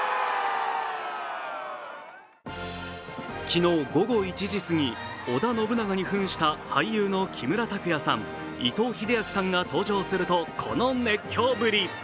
昨日午後１時すぎ、織田信長にふんした俳優の木村拓哉さん伊藤英明さんが登場すると、この熱狂ぶり。